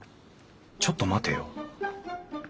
ちょっと待てよ。